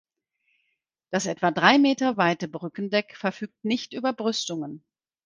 Das etwa drei Meter weite Brückendeck verfügt nicht über Brüstungen.